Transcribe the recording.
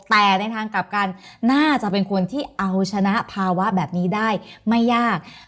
แต่ในทางกลับกันน่าจะเป็นคนที่เอาชนะภาวะแบบนี้ได้ไม่ยาก